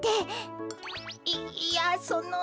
いいやその。